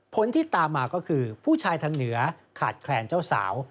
ผลที่ตามมาก็คือผู้ชายทางเหนือขาดแคลนเจ้าสาว